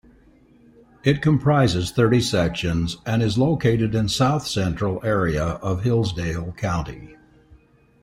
It comprises thirty sections and is located in south-central area of Hillsdale County.